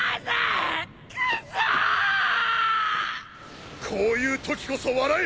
クソ‼こういう時こそ笑え！